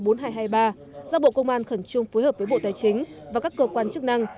giác bộ công an khẩn trương phối hợp với bộ tài chính và các cơ quan chức năng